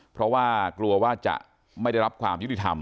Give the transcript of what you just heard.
เพราะว่ากลัวว่าจะไม่ได้รับความยุติธรรม